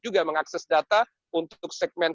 juga mengakses data untuk segmen